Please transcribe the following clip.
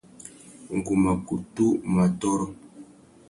Ngu mà kutu mù atôrô.